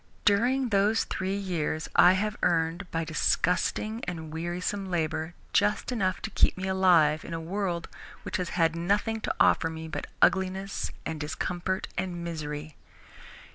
During those three years I have earned, by disgusting and wearisome labour, just enough to keep me alive in a world which has had nothing to offer me but ugliness and discomfort and misery.